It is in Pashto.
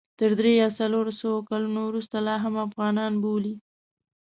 تر درې یا څلور سوه کلونو وروسته لا هم افغانان بولي.